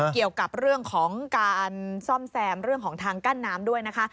เกี่ยวกับเรื่องของการซ่อมแซมเรื่องของทางกั้นน้ำด้วยนะคะ